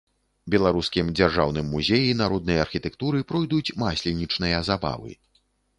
Беларускім дзяржаўным музеі народнай архітэктуры пройдуць масленічныя забавы.